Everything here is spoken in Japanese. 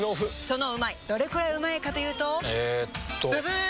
そのうまいどれくらいうまいかというとえっとブブー！